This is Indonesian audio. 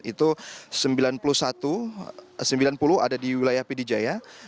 itu sembilan puluh satu jadi sembilan puluh ada di wilayah pedijaya